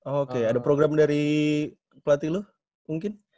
oke ada program dari pelatih lu mungkin